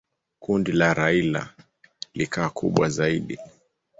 Kundi la Raila likawa kubwa zaidi.